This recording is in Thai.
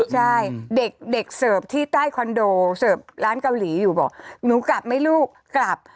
ใช่เด็กเสิร์ฟที่ใต้คอนโดเสิร์ฟร้านเกาหลีอยู่บอกหนูกลับไหมลูกกลับ